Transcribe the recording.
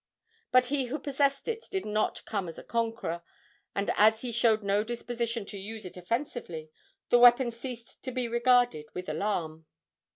But he who possessed it did not come as a conqueror, and, as he showed no disposition to use it offensively, the weapon ceased to be regarded with alarm.